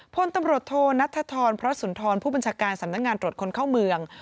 พลตำรวจโทนัทธรพระสุนทรผู้บัญชาการสำนักงานตรวจคนเข้าเมือง